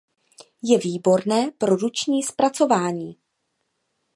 Je výborné pro ručním zpracování.